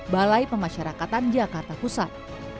balai pemasyarakatan jakarta pusat